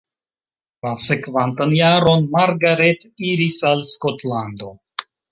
La sekvantan jaron Margaret iris al Skotlando.